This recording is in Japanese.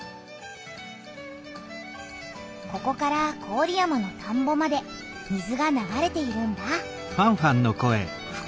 ここから郡山の田んぼまで水が流れているんだ。